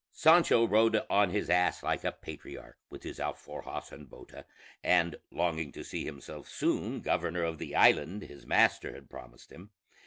Sancho rode on his ass like a patriarch, with his alforjas and bota, and longing to see himself soon governor of the island his master had promised him.